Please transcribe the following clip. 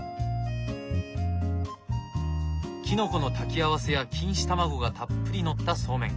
キノコの炊き合わせや錦糸卵がたっぷり載ったそうめん。